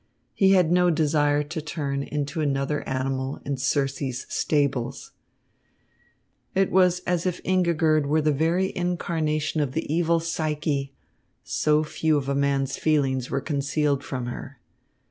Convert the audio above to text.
He had no desire to turn into another animal in Circe's stables. It was as if Ingigerd were the very incarnation of the evil Psyche, so few of a man's feelings were concealed from her.